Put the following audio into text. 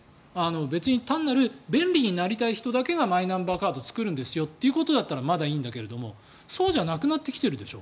別に、単なる便利になりたい人だけがマイナンバーカードを作るんですよということだったらまだいいんだけれどもそうじゃなくなってきてるでしょ